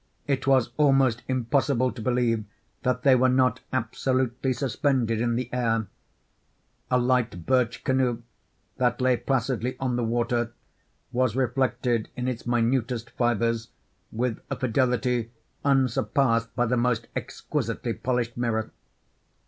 It was almost impossible to believe that they were not absolutely suspended in the air. A light birch canoe that lay placidly on the water, was reflected in its minutest fibres with a fidelity unsurpassed by the most exquisitely polished mirror.